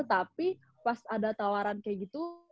tapi pas ada tawaran kayak gitu